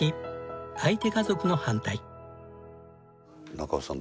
中尾さん